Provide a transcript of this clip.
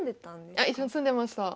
あ一緒に住んでました。